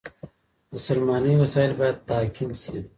د سلمانۍ وسایل باید تعقیم شي.